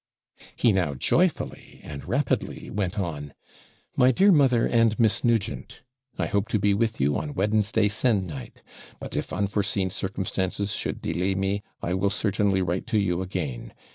He now joyfully and rapidly went on MY DEAR MOTHER AND MISS NUGENT, I hope to be with you on Wednesday se'nnight; but if unforeseen circumstances should delay me, I will certainly write to you again.